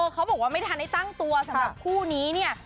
เขาบอกว่าไม่ทันได้ตั้งตัวสำหรับคู่นี้เนี่ย